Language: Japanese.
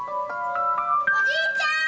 おじいちゃん！